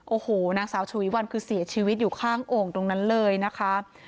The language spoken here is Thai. โอ้โหนางสาวฉวีวันคือเสียชีวิตอยู่ข้างโอ่งตรงนั้นเลยนะคะ